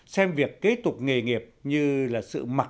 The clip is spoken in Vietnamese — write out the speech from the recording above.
xem việc kế tục nghề nghiệp như là sự mặc